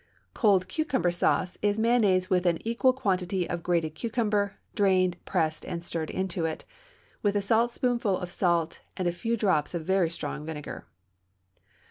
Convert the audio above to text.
Cold cucumber sauce is mayonnaise with an equal quantity of grated cucumber, drained, pressed, and stirred into it, with a saltspoonful of salt and a few drops of very strong vinegar.